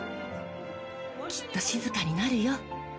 きっと静かになるよ。